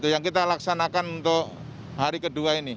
yang kita laksanakan untuk hari kedua ini